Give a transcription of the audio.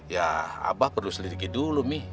ya abah perlu selidiki dulu nih